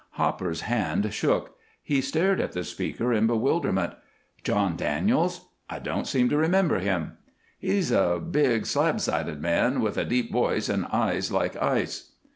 Hopper's hand shook; he stared at the speaker in bewilderment. "John Daniels? I don't seem to remember him." "He's a big slab sided man with a deep voice and eyes like ice."